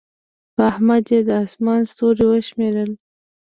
پر احمد يې د اسمان ستوري وشمېرل.